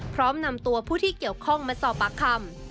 พร้อมนำตัวผู้ที่เกี่ยวข้องมาสอบปากคำ